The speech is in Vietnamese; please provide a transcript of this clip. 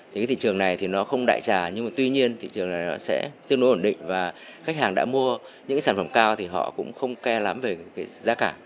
thì cái thị trường này thì nó không đại trà nhưng mà tuy nhiên thị trường này nó sẽ tương đối ổn định và khách hàng đã mua những cái sản phẩm cao thì họ cũng không ca lắm về cái giá cả